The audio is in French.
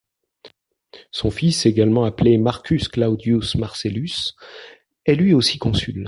Son fils, également appelé Marcus Claudius Marcellus, est lui aussi consul.